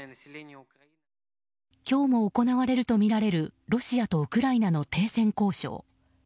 今日も行われるみられるロシアとウクライナの停戦交渉。